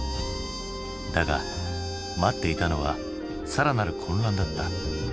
だが待っていたのは更なる混乱だった。